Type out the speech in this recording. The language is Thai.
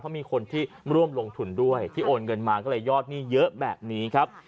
เพราะมีคนที่ร่วมลงทุนด้วยที่โอนเงินมาก็เลยยอดหนี้เยอะแบบนี้ครับ